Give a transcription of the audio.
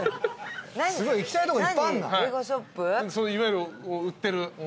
いわゆる売ってる。